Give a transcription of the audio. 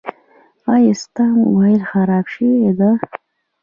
ایا ستا مبایل خراب شوی ده؟